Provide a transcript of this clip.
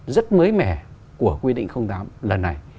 rất mới mẻ của quy định tám lần này